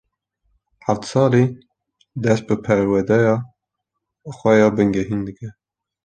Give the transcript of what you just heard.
Heft salî dest bi perwedeya xwe ya bingehîn dike.